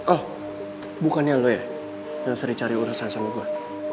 oh bukannya lo ya yang sering cari urusan sama gue